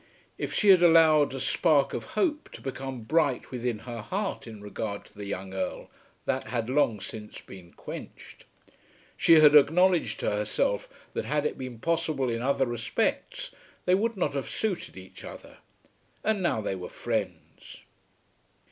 If she had allowed a spark of hope to become bright within her heart in regard to the young Earl that had long since been quenched. She had acknowledged to herself that had it been possible in other respects they would not have suited each other, and now they were friends.